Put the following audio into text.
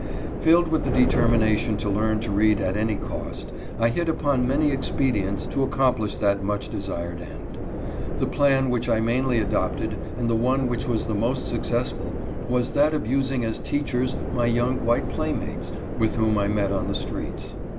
Filled with the determination to learn to read at any cost, I hit upon many expedients to accomplish that much desired end. The plan which I mainly adopted, and the one which was the most successful, was that of using as teachers my young white playmates, with whom I met on the streets.